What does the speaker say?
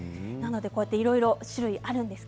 いろいろ種類があるんです。